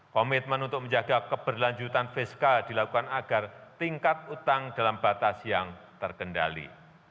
komitmen untuk menjaga keberlanjutan fiskal dilakukan agar tingkat utang dalam batas yang terkendali